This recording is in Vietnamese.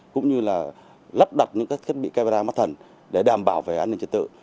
cũng như là lắp đặt những các thiết bị camera mắt thần để đảm bảo về an ninh trật tự